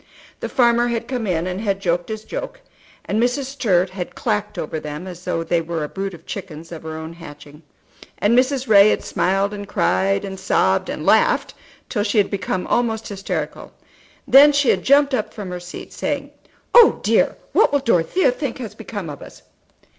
The farmer had come in and had joked his joke, and Mrs. Sturt had clacked over them as though they were a brood of chickens of her own hatching; and Mrs. Ray had smiled and cried, and sobbed and laughed till she had become almost hysterical. Then she had jumped up from her seat, saying, "Oh, dear, what will Dorothea think has become of us?"